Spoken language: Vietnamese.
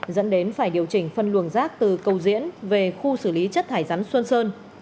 dẫn đến phải điều chỉnh phân luồng rác từ cầu diễn về khu xử lý chất thải rắn xuân sơn